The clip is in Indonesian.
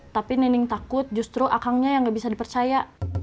tapi nening takut justru akangnya yang gak bisa dipercaya